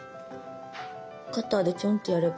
カッターでチョンとやれば。